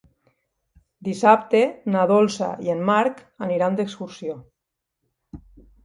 Dissabte na Dolça i en Marc aniran d'excursió.